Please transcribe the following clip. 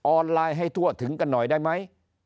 ออนไลน์ให้ทั่วถึงกันหน่อยได้ไหม